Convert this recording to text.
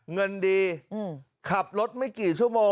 งานได้